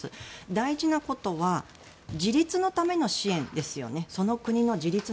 大事なことは自立のための支援ですよね。